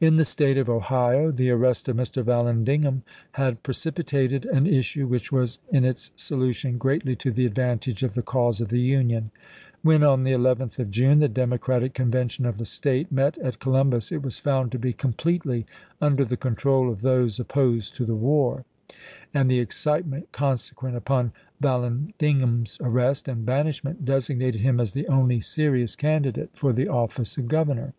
In the State of Ohio the arrest of Mr. Vallandig ham had precipitated an issue which was in its solution greatly to the advantage of the cause of 1863. the Union. When, on the 11th of June, the Demo cratic Convention of the State met at Columbus, it was found to be completely under the control of those opposed to the war, and the excitement con sequent upon Vallandigham's arrest and banish ment designated him as the only serious candidate for the office of governor.